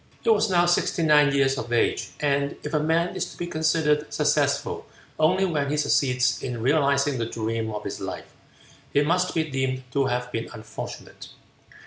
He was now sixty nine years of age, and if a man is to be considered successful only when he succeeds in realizing the dream of his life, he must be deemed to have been unfortunate.